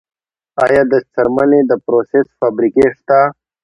آیا د څرمنې د پروسس فابریکې شته؟